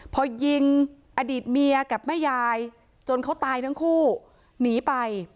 พอยิงอดีตเมียกับแม่ยายจนเขาตายทั้งคู่หนีไป